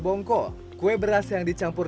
bongko kue beras yang dicampur